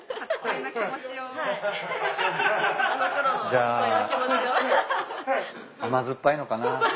じゃあ甘酸っぱいのかな？